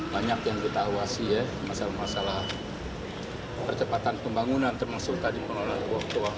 banyak yang kita awasi ya masalah masalah percepatan pembangunan termasuk tadi penolongan uang